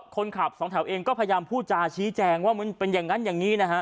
คนขับสองแถวเองก็พยายามพูดจาชี้แจงว่ามึงเป็นอย่างนั้นอย่างนี้นะฮะ